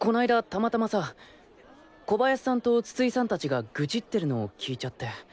たまたまさ小林さんと筒井さん達が愚痴ってるの聞いちゃって。